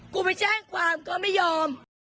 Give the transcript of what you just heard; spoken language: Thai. กูไปแจ้งความก็ไม่ยอม